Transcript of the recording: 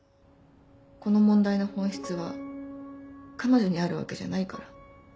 この問題の本質は彼女にあるわけじゃないから。